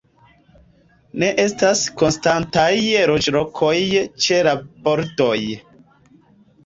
Ne estas konstantaj loĝlokoj ĉe la bordoj.